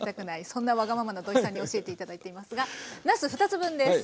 そんなわがままな土井さんに教えて頂いていますがなす２つ分です。